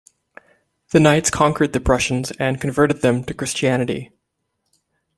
The Knights conquered the Prussians and converted them to Christianity.